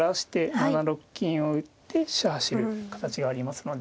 ７六金を打って飛車走る形がありますので。